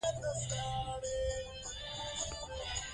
مور د کورنۍ غړو ته د مرستې روحیه ښيي.